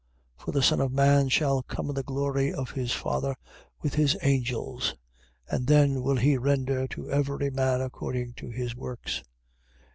16:27. For the Son of man shall come in the glory of his Father with his angels: and then will he render to every man according to his works.